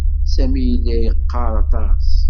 Sami yella yeqqaṛ aṭas.